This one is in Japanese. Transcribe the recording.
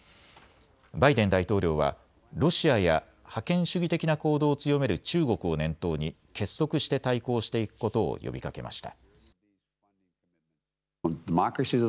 バイデン大統領はロシアや覇権主義的な行動を強める中国を念頭に結束して対抗していくことを呼びかけました。